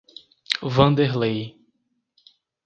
Wanderley